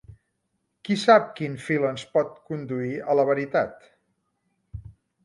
Qui sap quin fil ens pot conduir a la veritat?